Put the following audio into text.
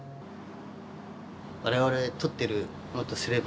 我々獲ってる者とすればね